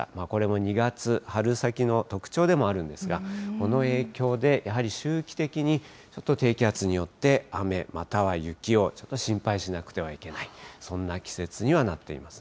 これも２月、春先の特徴でもあるんですが、この影響で、やはり周期的に、ちょっと低気圧によって、雨または雪をちょっと心配しなくてはいけない。